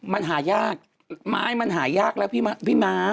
มันหายากไม้มันหายากแล้วพี่ม้า